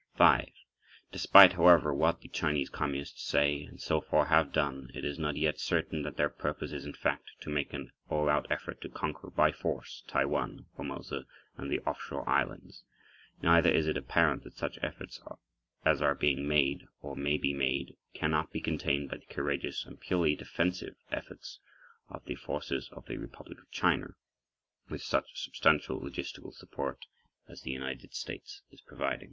5. Despite, however, what the Chinese Communists say, and so far have done, it is not yet certain that their purpose is in fact to make an allout effort to conquer by force Taiwan (Formosa) and the offshore islands. Neither is it apparent that such efforts as are being made, or may be made, cannot be contained by the courageous, and purely defensive, efforts of the forces of the Republic of China, with such substantial logistical support as the United States is providing.